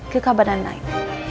ke kabanan lain